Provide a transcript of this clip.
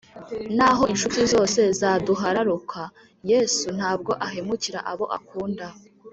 Naho inshuti zose zaduhararuka yesu ntabwo ahemukira abo akunda